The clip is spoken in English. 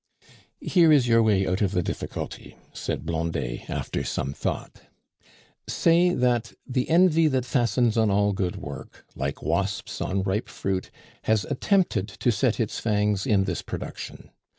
"Here is your way out of the difficulty," said Blondet, after some thought. "Say that the envy that fastens on all good work, like wasps on ripe fruit, has attempted to set its fangs in this production.